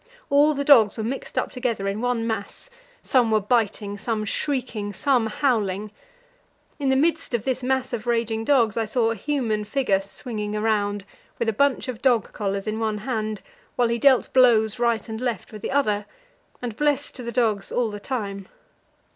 All the dogs were mixed up together in one mass: some were biting, some shrieking, some howling. In the midst of this mass of raging dogs I saw a human figure swinging round, with a bunch of dog collars in one hand, while he dealt blows right and left with the other, and blessed the dogs all the time.